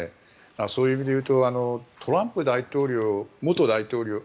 そういう意味でいうとトランプ前大統領